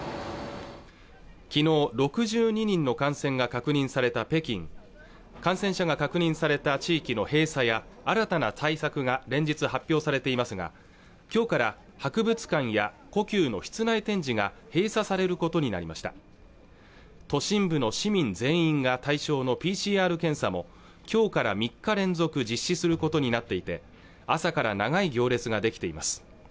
昨日６２人の感染が確認された北京感染者が確認された地域の閉鎖や新たな対策が連日発表されていますが今日から博物館や故宮の室内展示が閉鎖されることになりました都心部の市民全員が対象のＰＣＲ検査も今日から３日連続実施することになっていて朝から長い行列ができています